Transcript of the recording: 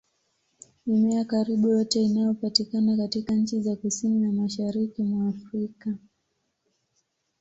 Mimea karibu yote inayopatikana katika nchi za Kusini na Mashariki mwa Afrika